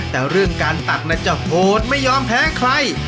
แต่เรื่องการตักนั้นจะโหดไม่ยอมแพ้ใคร